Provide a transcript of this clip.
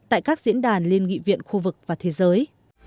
tại các diễn đàn liên nghị viện khu vực và thế giới